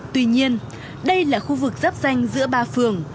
tuy nhiên đây là khu vực giáp danh giữa ba phường